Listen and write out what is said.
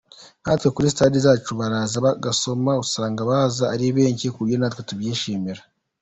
Nkatwe kuri stands zacu baraza bagasoma, usanga baza ari benshi ku buryo natwe tubyishimira.